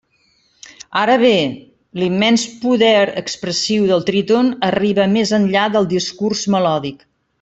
Ara bé: l'immens poder expressiu del tríton arriba més enllà del discurs melòdic.